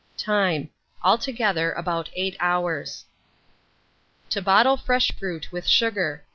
Time. Altogether about 8 hours. TO BOTTLE FRESH FRUIT WITH SUGAR.